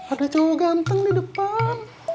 ada cowok ganteng di depan